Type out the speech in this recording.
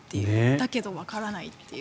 だけどわからないっていう。